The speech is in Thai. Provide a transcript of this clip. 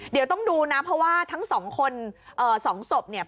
เดี๋ยวต้องดูนะเพราะว่าทั้งสองคนสองศพเนี่ย